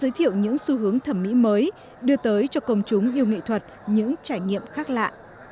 giới thiệu những xu hướng thẩm mỹ mới đưa tới cho công chúng yêu nghệ thuật những trải nghiệm khác lạ